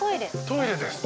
トイレです。